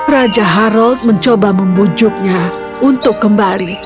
raja harald mencoba membujuknya untuk kembali